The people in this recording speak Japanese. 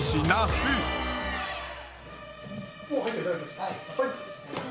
はい。